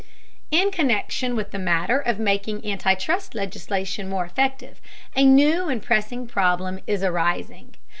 In connection with the matter of making anti trust legislation more effective, a new and pressing problem is arising.